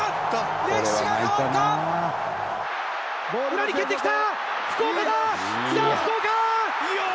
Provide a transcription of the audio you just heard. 裏に蹴って来た！